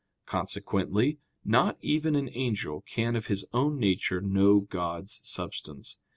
Consequently, not even an angel can of his own nature know God's substance.